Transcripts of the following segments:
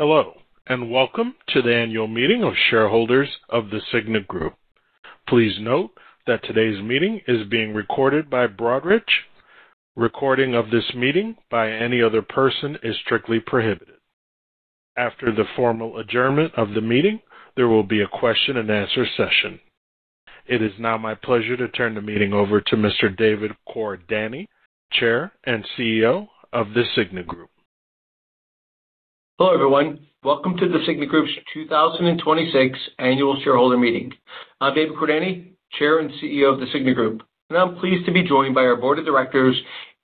Hello, and welcome to the annual meeting of shareholders of The Cigna Group. Please note that today's meeting is being recorded by Broadridge. Recording of this meeting by any other person is strictly prohibited. After the formal adjournment of the meeting, there will be a question and answer session. It is now my pleasure to turn the meeting over to Mr. David Cordani, Chair and CEO of The Cigna Group. Hello, everyone. Welcome to the Cigna Group's 2026 annual shareholder meeting. I'm David Cordani, Chair and CEO of the Cigna Group, and I'm pleased to be joined by our Board of Directors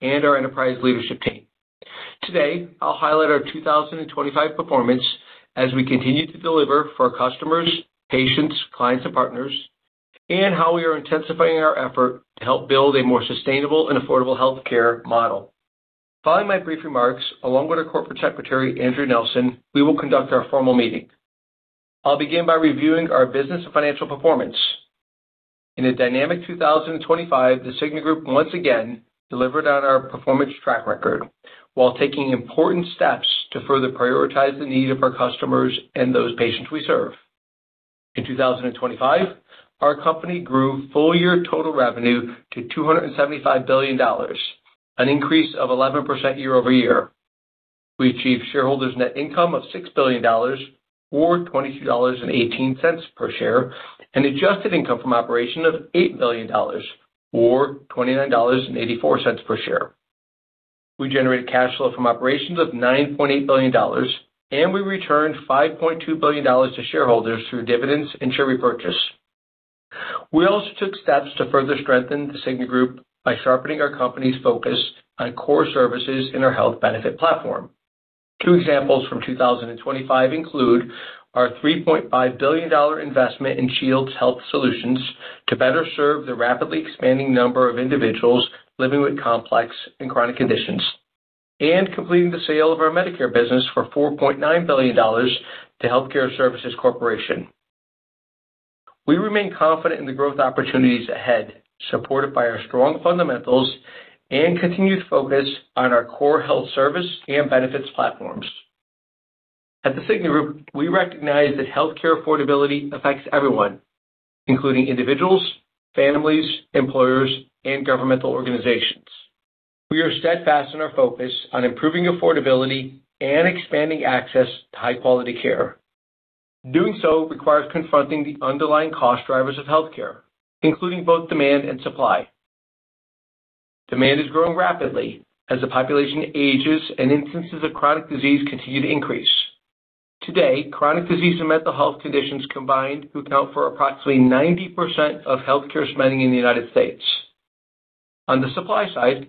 and our Enterprise Leadership Team. Today, I'll highlight our 2025 performance as we continue to deliver for our customers, patients, clients, and partners, and how we are intensifying our effort to help build a more sustainable and affordable healthcare model. Following my brief remarks, along with our Corporate Secretary, Andrea Nelson, we will conduct our formal meeting. I'll begin by reviewing our business and financial performance. In a dynamic 2025, the Cigna Group once again delivered on our performance track record while taking important steps to further prioritize the need of our customers and those patients we serve. In 2025, our company grew full-year total revenue to $275 billion, an increase of 11% year-over-year. We achieved shareholders net income of $6 billion or $22.18 per share, and adjusted income from operations of $8 billion or $29.84 per share. We generated cash flow from operations of $9.8 billion, and we returned $5.2 billion to shareholders through dividends and share repurchase. We also took steps to further strengthen The Cigna Group by sharpening our company's focus on core services in our health benefit platform. Two examples from 2025 include our $3.5 billion investment in Shields Health Solutions to better serve the rapidly expanding number of individuals living with complex and chronic conditions, and completing the sale of our Medicare business for $4.9 billion to Health Care Service Corporation. We remain confident in the growth opportunities ahead, supported by our strong fundamentals and continued focus on our core health service and benefits platforms. At the Cigna Group, we recognize that healthcare affordability affects everyone, including individuals, families, employers, and governmental organizations. We are steadfast in our focus on improving affordability and expanding access to high-quality care. Doing so requires confronting the underlying cost drivers of healthcare, including both demand and supply. Demand is growing rapidly as the population ages and instances of chronic disease continue to increase. Today, chronic disease and mental health conditions combined account for approximately 90% of healthcare spending in the United States. On the supply side,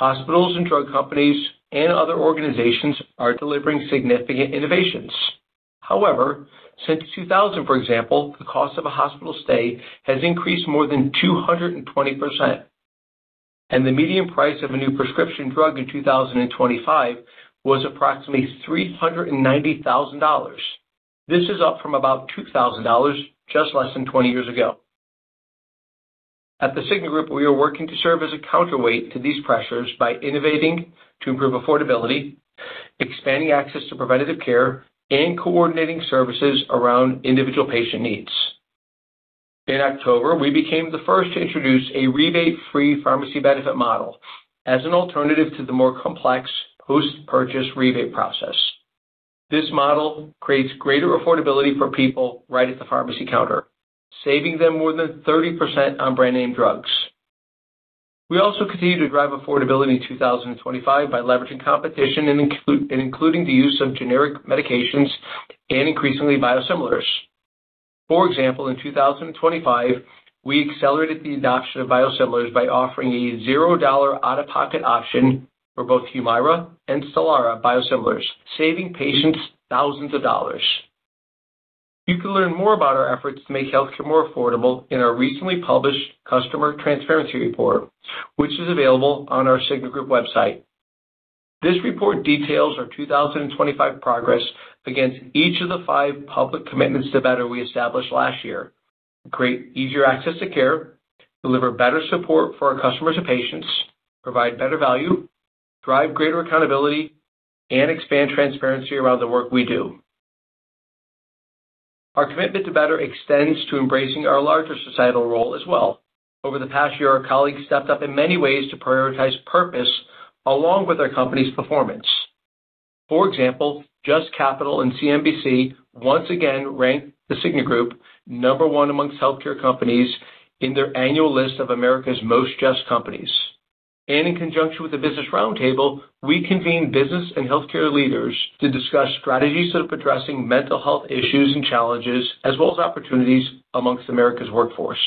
hospitals and drug companies and other organizations are delivering significant innovations. However, since 2000, for example, the cost of a hospital stay has increased more than 220%, and the median price of a new prescription drug in 2025 was approximately $390,000. This is up from about $2,000 just less than 20 years ago. At the Cigna Group, we are working to serve as a counterweight to these pressures by innovating to improve affordability, expanding access to preventative care, and coordinating services around individual patient needs. In October, we became the first to introduce a rebate-free pharmacy benefit model as an alternative to the more complex post-purchase rebate process. This model creates greater affordability for people right at the pharmacy counter, saving them more than 30% on brand name drugs. We also continued to drive affordability in 2025 by leveraging competition and including the use of generic medications and increasingly biosimilars. For example, in 2025, we accelerated the adoption of biosimilars by offering a $0 out-of-pocket option for both Humira and Stelara biosimilars, saving patients thousands of dollars. You can learn more about our efforts to make healthcare more affordable in our recently published Customer Transparency Report, which is available on the Cigna Group website. This report details our 2025 progress against each of the five public commitments to better we established last year. Create easier access to care, deliver better support for our customers and patients, provide better value, drive greater accountability, and expand transparency around the work we do. Our commitment to better extends to embracing our larger societal role as well. Over the past year, our colleagues stepped up in many ways to prioritize purpose along with our company's performance. For example, JUST Capital and CNBC once again ranked The Cigna Group number 1 among healthcare companies in their annual list of America's most just companies. In conjunction with the Business Roundtable, we convened business and healthcare leaders to discuss strategies of addressing mental health issues and challenges, as well as opportunities amongst America's workforce.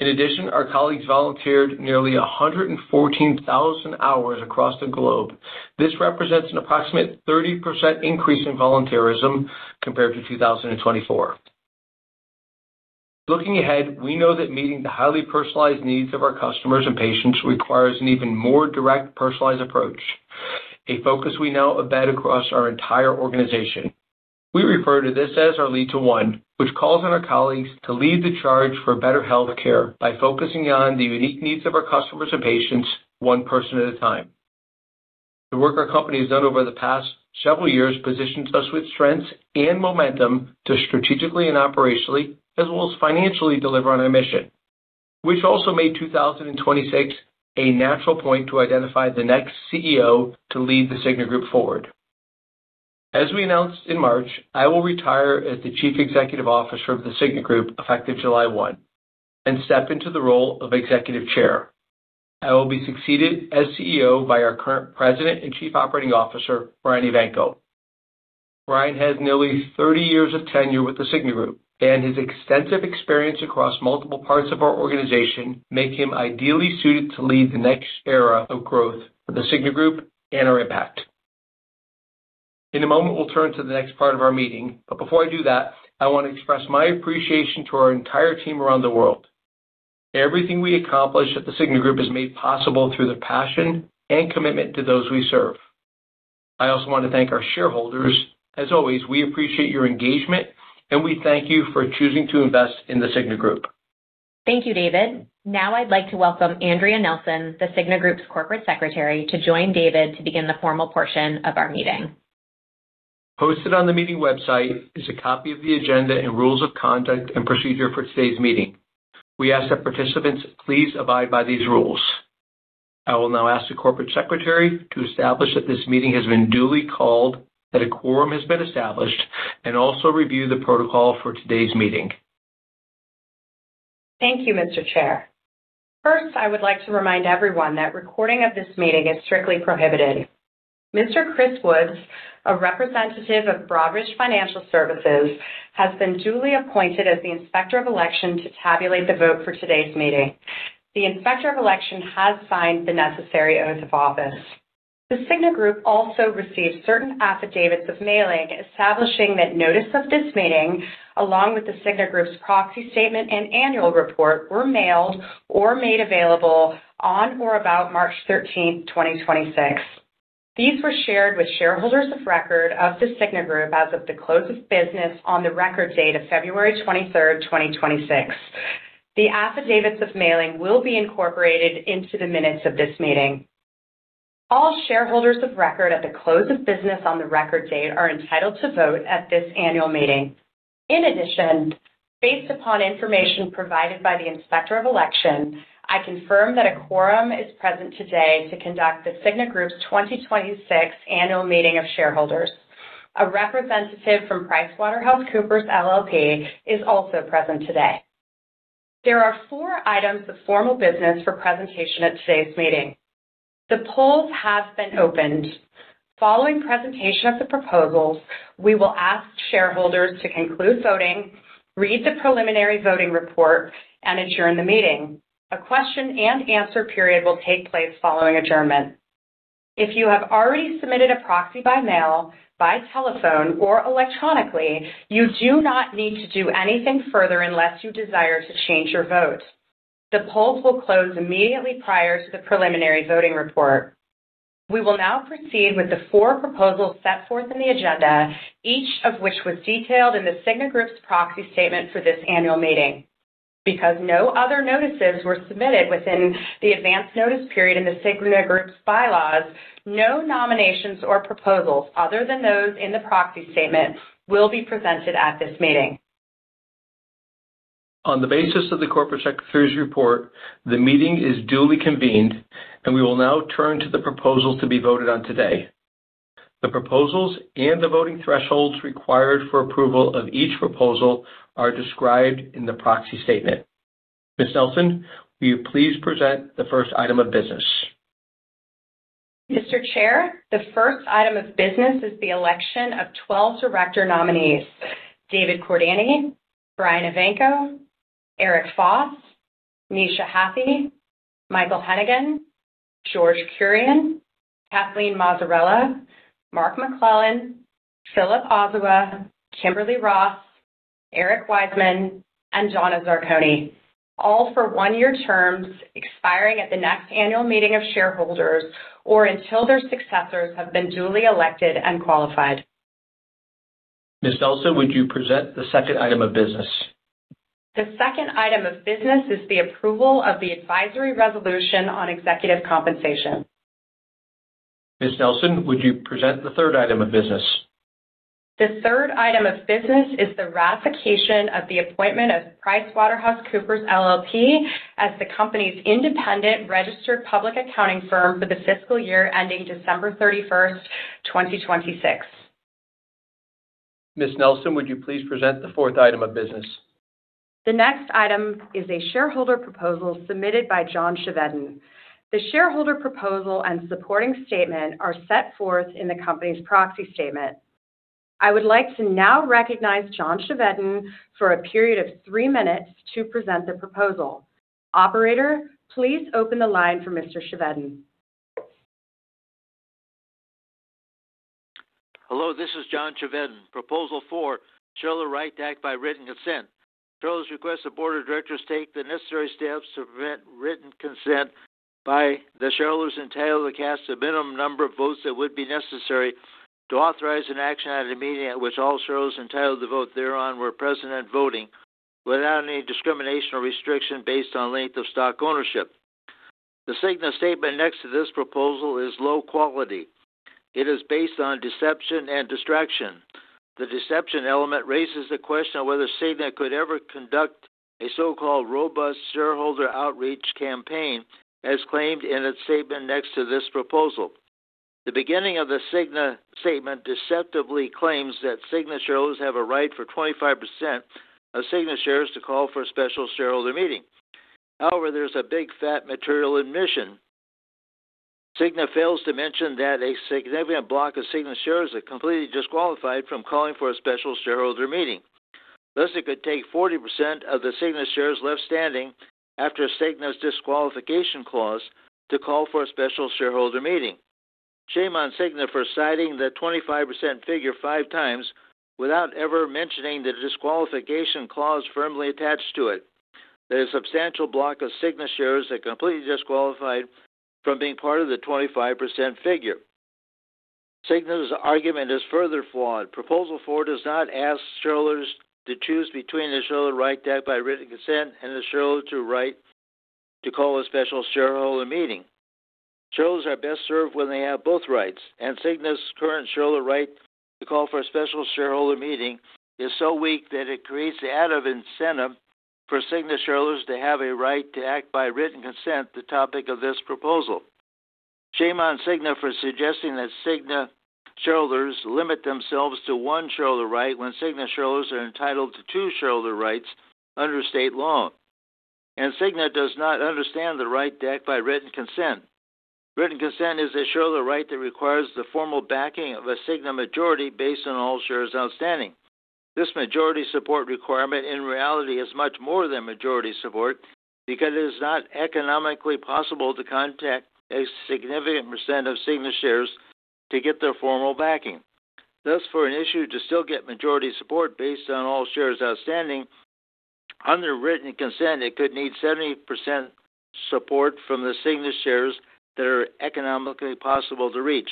In addition, our colleagues volunteered nearly 114,000 hours across the globe. This represents an approximate 30% increase in volunteerism compared to 2024. Looking ahead, we know that meeting the highly personalized needs of our customers and patients requires an even more direct, personalized approach, a focus we now embed across our entire organization. We refer to this as our lead to one, which calls on our colleagues to lead the charge for better healthcare by focusing on the unique needs of our customers and patients, one person at a time. The work our company has done over the past several years positions us with strengths and momentum to strategically and operationally, as well as financially deliver on our mission, which also made 2026 a natural point to identify the next CEO to lead The Cigna Group forward. As we announced in March, I will retire as the Chief Executive Officer of The Cigna Group effective July 1, and step into the role of Executive Chair. I will be succeeded as CEO by our current President and Chief Operating Officer, Brian Evanko. Brian has nearly 30 years of tenure with The Cigna Group, and his extensive experience across multiple parts of our organization make him ideally suited to lead the next era of growth for The Cigna Group and our impact. In a moment, we'll turn to the next part of our meeting, but before I do that, I want to express my appreciation to our entire team around the world. Everything we accomplish at The Cigna Group is made possible through the passion and commitment to those we serve. I also want to thank our shareholders. As always, we appreciate your engagement, and we thank you for choosing to invest in The Cigna Group. Thank you, David. Now I'd like to welcome Andrea Nelson, the Cigna Group's Corporate Secretary, to join David to begin the formal portion of our meeting. Posted on the meeting website is a copy of the agenda and rules of conduct and procedure for today's meeting. We ask that participants please abide by these rules. I will now ask the Corporate Secretary to establish that this meeting has been duly called, that a quorum has been established, and also review the protocol for today's meeting. Thank you, Mr. Chair. First, I would like to remind everyone that recording of this meeting is strictly prohibited. Mr. Chris Woods, a representative of Broadridge Financial Solutions, has been duly appointed as the Inspector of Election to tabulate the vote for today's meeting. The Inspector of Election has signed the necessary oath of office. The Cigna Group also received certain affidavits of mailing establishing that notice of this meeting, along with the Cigna Group's proxy statement and annual report, were mailed or made available on or about March 13th, 2026. These were shared with shareholders of record of the Cigna Group as of the close of business on the record date of February 23rd, 2026. The affidavits of mailing will be incorporated into the minutes of this meeting. All shareholders of record at the close of business on the record date are entitled to vote at this annual meeting. In addition, based upon information provided by the Inspector of Election, I confirm that a quorum is present today to conduct The Cigna Group's 2026 annual meeting of shareholders. A representative from PricewaterhouseCoopers LLP is also present today. There are four items of formal business for presentation at today's meeting. The polls have been opened. Following presentation of the proposals, we will ask shareholders to conclude voting, read the preliminary voting report, and adjourn the meeting. A question-and-answer period will take place following adjournment. If you have already submitted a proxy by mail, by telephone, or electronically, you do not need to do anything further unless you desire to change your vote. The polls will close immediately prior to the preliminary voting report. We will now proceed with the four proposals set forth in the agenda, each of which was detailed in The Cigna Group's proxy statement for this annual meeting. Because no other notices were submitted within the advanced notice period in The Cigna Group's bylaws, no nominations or proposals other than those in the proxy statement will be presented at this meeting. On the basis of the Corporate Secretary's report, the meeting is duly convened, and we will now turn to the proposals to be voted on today. The proposals and the voting thresholds required for approval of each proposal are described in the proxy statement. Ms. Nelson, will you please present the first item of business? Mr. Chair, the first item of business is the election of 12 director nominees, David Cordani, Brian Evanko, Eric Foss, Neesha Hathi, Michael Hennigan, George Kurian, Kathleen Mazzarella, Mark McClellan, Philip Ozuah, Kimberly Ross, Eric Wiseman, and Donna Zarcone, all for one-year terms expiring at the next annual meeting of shareholders or until their successors have been duly elected and qualified. Ms. Nelson, would you present the second item of business? The second item of business is the approval of the advisory resolution on executive compensation. Ms. Nelson, would you present the third item of business? The third item of business is the ratification of the appointment of PricewaterhouseCoopers LLP as the company's independent registered public accounting firm for the fiscal year ending December 31st, 2026. Ms. Nelson, would you please present the fourth item of business? The next item is a shareholder proposal submitted by John Chevedden. The shareholder proposal and supporting statement are set forth in the company's proxy statement. I would like to now recognize John Chevedden for a period of three minutes to present the proposal. Operator, please open the line for Mr. Chevedden. Hello, this is John Chevedden. Proposal 4, shareholder right to act by written consent. Shareholders request the Board of Directors take the necessary steps to prevent written consent by the shareholders entitled to cast the minimum number of votes that would be necessary to authorize an action at a meeting at which all shareholders entitled to vote thereon were present and voting without any discrimination or restriction based on length of stock ownership. The Cigna statement next to this proposal is low quality. It is based on deception and distraction. The deception element raises the question of whether Cigna could ever conduct a so-called robust shareholder outreach campaign, as claimed in its statement next to this proposal. The beginning of the Cigna statement deceptively claims that Cigna shareholders have a right for 25% of Cigna shares to call for a special shareholder meeting. However, there's a big, fat material admission. Cigna fails to mention that a significant block of Cigna shares are completely disqualified from calling for a special shareholder meeting. Thus, it could take 40% of the Cigna shares left standing after Cigna's disqualification clause to call for a special shareholder meeting. Shame on Cigna for citing the 25% figure five times without ever mentioning the disqualification clause firmly attached to it. There's a substantial block of Cigna shares that are completely disqualified from being part of the 25% figure. Cigna's argument is further flawed. Proposal 4 does not ask shareholders to choose between the shareholder right to act by written consent and the shareholder right to call a special shareholder meeting. Shareholders are best served when they have both rights, and Cigna's current shareholder right to call for a special shareholder meeting is so weak that it creates the added incentive for Cigna shareholders to have a right to act by written consent, the topic of this proposal. Shame on Cigna for suggesting that Cigna shareholders limit themselves to one shareholder right when Cigna shareholders are entitled to two shareholder rights under state law. Cigna does not understand the right to act by written consent. Written consent is a shareholder right that requires the formal backing of a Cigna majority based on all shares outstanding. This majority support requirement in reality is much more than majority support because it is not economically possible to contact a significant percent of Cigna shares to get their formal backing. Thus, for an issue to still get majority support based on all shares outstanding, under written consent, it could need 70% support from the Cigna shares that are economically possible to reach.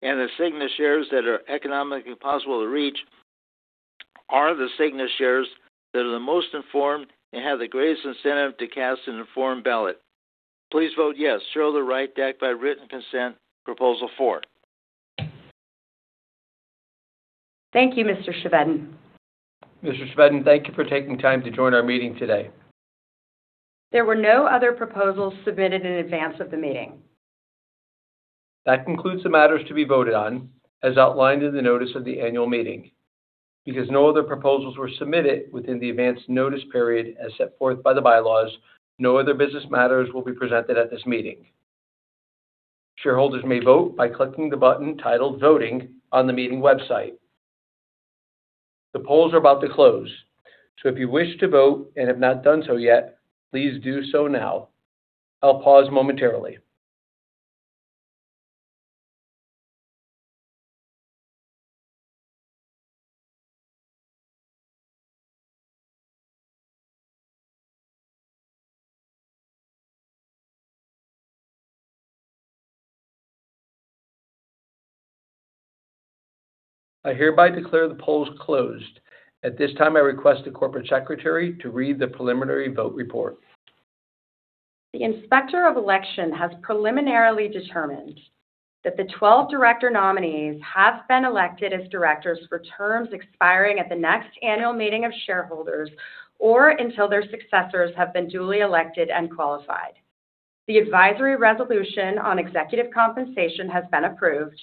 The Cigna shares that are economically possible to reach are the Cigna shares that are the most informed and have the greatest incentive to cast an informed ballot. Please vote yes, shareholder right to act by written consent, proposal four. Thank you, Mr. Chevedden. Mr. Chevedden, thank you for taking time to join our meeting today. There were no other proposals submitted in advance of the meeting. That concluds the matters to be voted on as outlined in the notice of the annual meeting. Because no other proposals were submitted within the advanced notice period as set forth by the bylaws, no other business matters will be presented at this meeting. Shareholders may vote by clicking the button titled Voting on the meeting website. The polls are about to close, so if you wish to vote and have not done so yet, please do so now. I'll pause momentarily. I hereby declare the polls closed. At this time, I request the corporate secretary to read the preliminary vote report. The Inspector of Election has preliminarily determined that the 12 director nominees have been elected as directors for terms expiring at the next annual meeting of shareholders, or until their successors have been duly elected and qualified. The advisory resolution on executive compensation has been approved.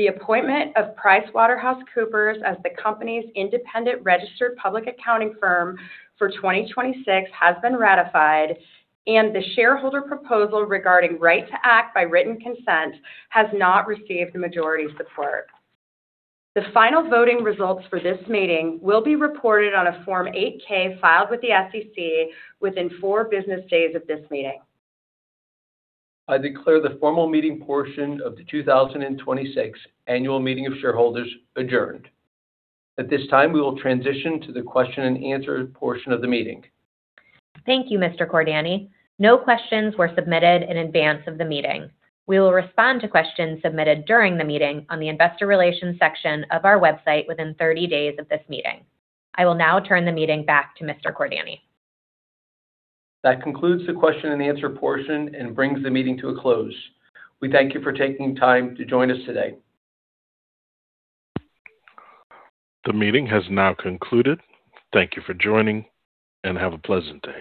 The appointment of PricewaterhouseCoopers as the company's independent registered public accounting firm for 2026 has been ratified, and the shareholder proposal regarding right to act by written consent has not received the majority support. The final voting results for this meeting will be reported on a Form 8-K filed with the SEC within four business days of this meeting. I declare the formal meeting portion of the 2026 annual meeting of shareholders adjourned. At this time, we will transition to the question and answer portion of the meeting. Thank you, Mr. Cordani. No questions were submitted in advance of the meeting. We will respond to questions submitted during the meeting on the investor relations section of our website within 30 days of this meeting. I will now turn the meeting back to Mr. Cordani. That concludes the question and answer portion and brings the meeting to a close. We thank you for taking time to join us today. The meeting has now concluded. Thank you for joining, and have a pleasant day.